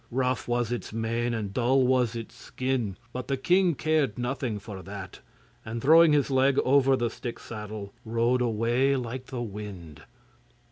Rough was its mane and dull was its skin, but the king cared nothing for that, and throwing his leg over the stick saddle, rode away like the wind.